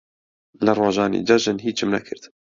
لە ڕۆژانی جەژن هیچم نەکرد.